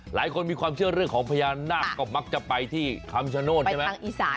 หลายคนมีความเชื่อเรื่องของพญานาคก็มักจะไปที่คำชโนธใช่ไหม